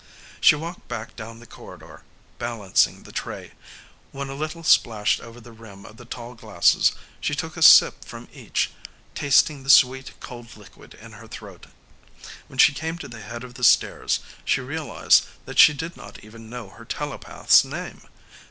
She walked back down the corridor, balancing the tray. When a little splashed over the rim of the tall glasses, she took a sip from each, tasting the sweet, cold liquid in her throat. When she came to the head of the stairs, she realized that she did not even know her telepath's name.